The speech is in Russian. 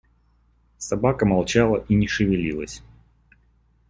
Собака молчала и не шевелилась.